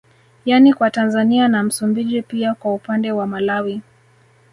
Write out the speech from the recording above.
Yani kwa Tanzania na Msumbiji pia kwa upande wa Malawi